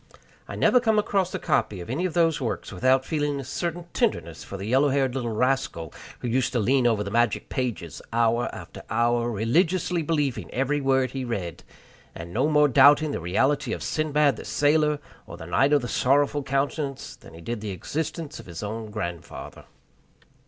I never come across a copy of any of those works without feeling a certain tenderness for the yellow haired little rascal who used to lean above the magic pages hour after hour, religiously believing every word he read, and no more doubting the reality of Sindbad the Sailor, or the Knight of the Sorrowful Countenance, than he did the existence of his own grandfather.